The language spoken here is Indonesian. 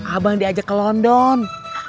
abang diajak ke london